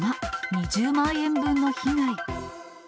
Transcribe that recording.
２０万円分の被害。